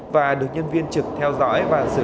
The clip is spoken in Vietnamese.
và được nhân viên trực theo dõi và xử lý